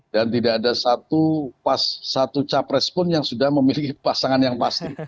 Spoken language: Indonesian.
dan tidak ada satu capres pun yang sudah memiliki pasangan yang pasti